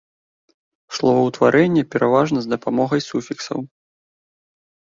Словаўтварэнне пераважна з дапамогай суфіксаў.